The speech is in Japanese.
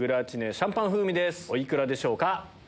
お幾らでしょうか？